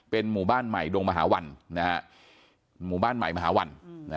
หมู่บ้านใหม่ดงมหาวันหมู่บ้านใหม่มหาวัน